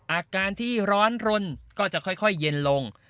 อาการที่ร้อนรนก็จะค่อยเย็นลง